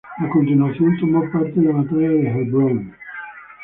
A continuación, tomó parte en la Batalla de Heilbronn.